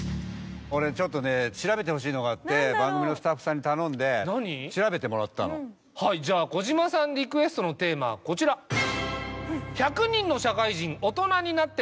俺ちょっとね調べてほしいのがあって番組のスタッフさんに頼んで調べてもらったのはいじゃあ児嶋さんリクエストのテーマはこちらあ